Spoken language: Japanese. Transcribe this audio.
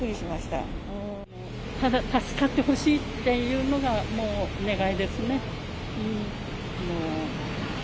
ただ助かってほしいというのが、もう願いですね。